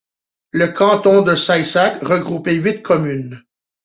Le canton de Saissac regroupait huit communes.